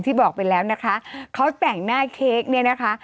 บอกไปแล้วนะคะเขาแต่งหน้าเค้กเนี่ยนะคะ